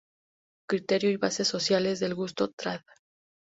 Criterio y bases sociales del gusto", trad.